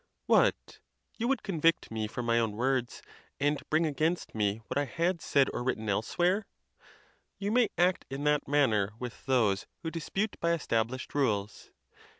What! you would convict me from my own words, and bring against me what I had said or written else where. You may act in that manner with those who dis pute by established rules.